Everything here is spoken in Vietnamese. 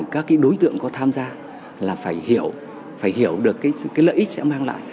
các cái đối tượng có tham gia là phải hiểu phải hiểu được cái lợi ích sẽ mang lại